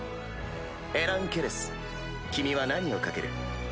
エラン・ケレス君は何を賭ける？